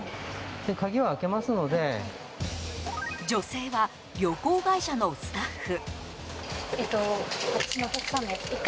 女性は旅行会社のスタッフ。